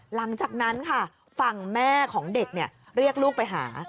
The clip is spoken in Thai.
หลังจากนั้นค่ะฝั่งแม่ของเด็กเรียกลูกไปหา